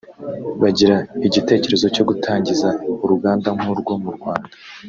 bagira igitekerezo cyo gutangiza uruganda nk’urwo mu Rwanda